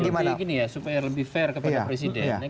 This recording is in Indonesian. jadi gini ya supaya lebih fair kepada presiden